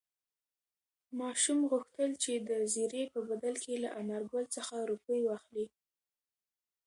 ماشوم غوښتل چې د زېري په بدل کې له انارګل څخه روپۍ واخلي.